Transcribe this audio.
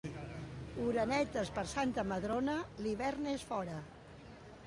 Orenetes per Santa Madrona, l'hivern és fora.